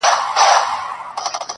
مخکې مو دا خبره کړې وه